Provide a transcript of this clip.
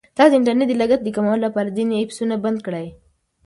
تاسو د انټرنیټ د لګښت د کمولو لپاره ځینې ایپسونه بند کړئ.